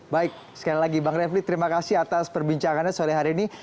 baik sekali lagi bang refli terima kasih atas perbincangannya sore hari ini